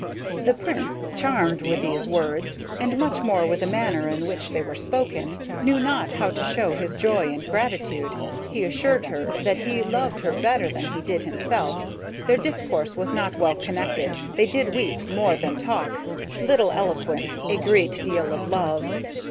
The Prince, charmed with these words, and much more with the manner in which they were spoken, knew not how to show his joy and gratitude; he assured her that he loved her better than he did himself; their discourse was not well connected, they did weep more than talk little eloquence, a great deal of love.